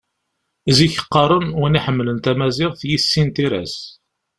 Zik qqaren: Win iḥemmlen tamaziɣt, yissin tira-s.